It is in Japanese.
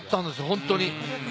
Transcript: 本当に。